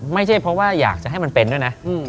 ไม่ใช่เพราะว่าอยากจะให้มันเป็นด้วยนะ